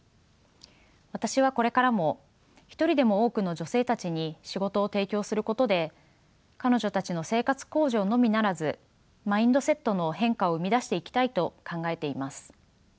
私はこれからも一人でも多くの女性たちに仕事を提供することで彼女たちの生活向上のみならずマインドセットの変化を生み出していきたいと考えています。